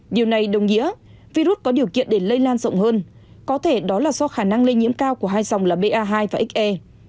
điều này đồng nghĩa virus có điều kiện để lây lan rộng hơn có thể đó là do khả năng lây nhiễm cao của hai dòng là ba và x e